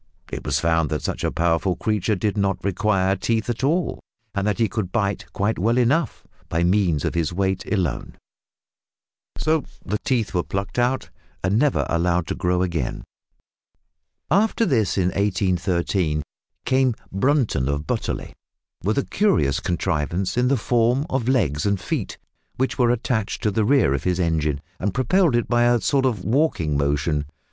It was found that such a powerful creature did not require teeth at all, that he could "bite" quite well enough by means of his weight alone, so the teeth were plucked out and never allowed to grow again. After this, in 1813, came Brunton of Butterley, with a curious contrivance in the form of legs and feet, which were attached to the rear of his engine and propelled it by a sort of walking motion.